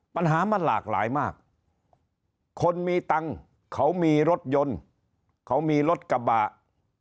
ปัญหามันหลากหลายมากคนมีตังค์เขามีรถยนต์เขามีรถกระบะ